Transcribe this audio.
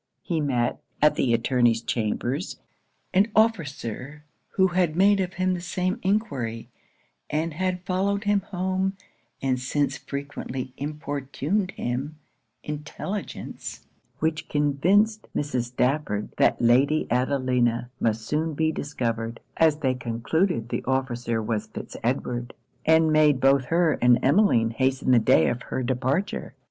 He met, at the attorney's chambers, an officer who had made of him the same enquiry, and had followed him home, and since frequently importuned him intelligence, which convinced Mrs. Stafford that Lady Adelina must soon be discovered, (as they concluded the officer was Fitz Edward,) and made both her and Emmeline hasten the day of her departure.